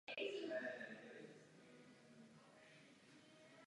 Stanovy musí mít povahu veřejné listiny.